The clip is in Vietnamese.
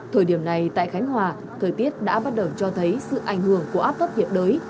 thời điểm này tại khánh hòa thời tiết đã bắt đầu cho thấy sự ảnh hưởng của áp thấp nhiệt đới